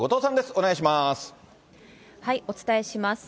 お伝えします。